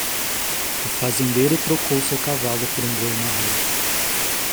O fazendeiro trocou seu cavalo por um boi marrom.